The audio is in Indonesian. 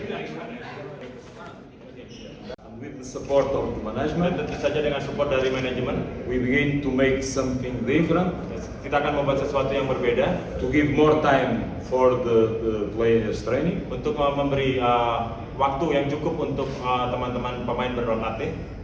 kita akan membuat sesuatu yang berbeda untuk memberikan lebih banyak waktu untuk pemain berlatih